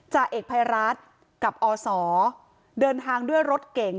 จ่าเอกภัยรัฐกับอศเดินทางด้วยรถเก่ง